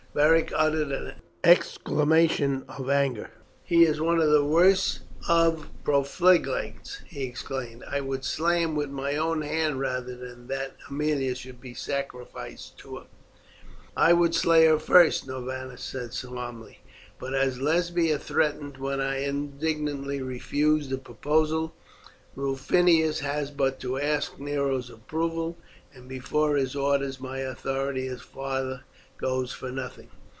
Beric uttered an exclamation of anger. "He is one of the worst of profligates," he exclaimed. "I would slay him with my own hand rather than that Aemilia should be sacrificed to him." "And I would slay her first," Norbanus said calmly; "but, as Lesbia threatened when I indignantly refused the proposal, Rufinus has but to ask Nero's approval, and before his orders my authority as a father goes for nothing.